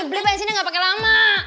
nih beli bensinnya gak pake lama